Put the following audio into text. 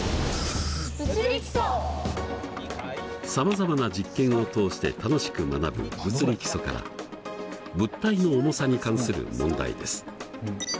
さまざまな実験を通して楽しく学ぶ「物理基礎」から物体の重さに関する問題です。